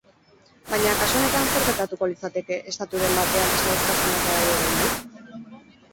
Baina, kasu honetan, zer gertatuko litzateke estaturen batean desadostasunak badaude oraindik?